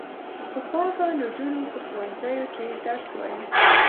پخوا به نجونو په ښوونځیو کې درس وايه.